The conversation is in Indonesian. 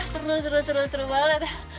seru seru seru banget